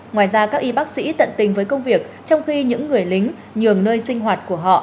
ngoài ra các y bác sĩ tận tình với công việc trong khi những người lính nhường nơi sinh hoạt của họ